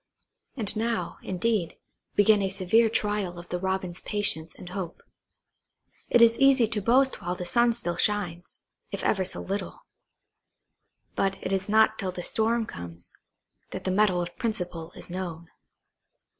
And now, indeed, began a severe trial of the Robin's patience and hope. It is easy to boast while the sun still shines, if ever so little; but it is not till the storm comes, that the mettle of principle is known.